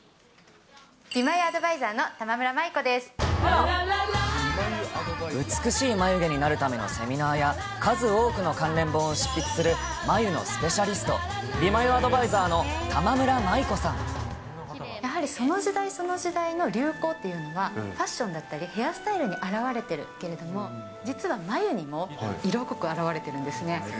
美眉アドバイザーの玉村麻衣美しい眉毛になるためのセミナーや、数多くの関連本を執筆する眉のスペシャリスト、美眉アドバイザーやはりその時代、その時代の流行っていうのは、ファッションだったり、ヘアスタイルに表れているけれども、実は眉にも、色濃く表れているんですね。